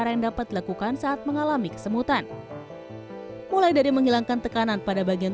yang dapat dilakukan saat mengalami kesemutan mulai dari menghilangkan tekanan pada bagian